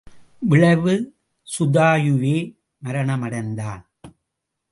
விளைவு சுதாயுவே மரணமடைந்தான்.